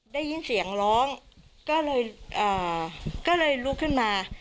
ได้ยินเสียงร้องก็เลยก็เลยลุกขึ้นมา